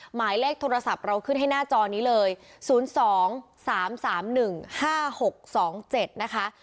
หมายเลขโทรศัพท์เราขึ้นให้หน้าจอนี้เลย๐๒๓๓๑๕๖๒๗นะคะ